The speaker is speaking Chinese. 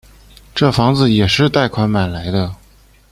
这房子也是贷款买来的